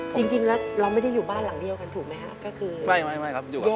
จริงแล้วเราไม่ได้อยู่บ้านหลังเดียวกันถูกมั้ยครับ